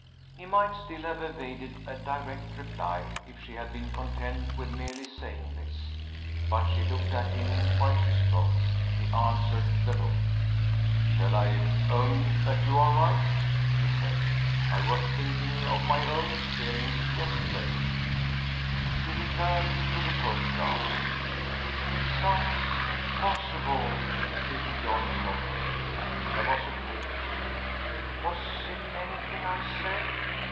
He might still have evaded a direct reply, if she had been content with merely saying this. But she looked at him while she spoke. He answered the look. "Shall I own that you are right?" he said. "I was thinking of my own experience yesterday." She returned to the photographs. "It sounds impossible," she rejoined, softly. There was a pause. "Was it anything I said?"